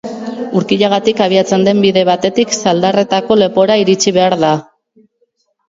Urkillagatik abiatzen den bide batetik, Zaldarretako lepora iritsi behar da.